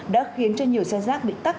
đã khiến cho nhiều xe rác bị tắt